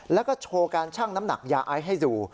แล้วก็โชว์การชั่งน้ำหนักยาไอซ์ให้ดู